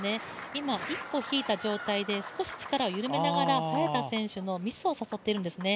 今、一歩引いた状態で、少し力を緩めた状態で早田選手のミスを誘っているんですね。